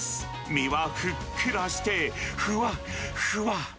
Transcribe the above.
身はふっくらしてふわっふわ。